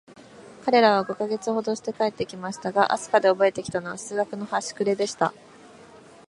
彼等は五ヵ月ほどして帰って来ましたが、飛島でおぼえて来たのは、数学のはしくれでした。